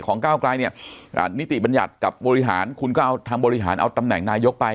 ก้าวกลายเนี่ยนิติบัญญัติกับบริหารคุณก็เอาทางบริหารเอาตำแหน่งนายกไป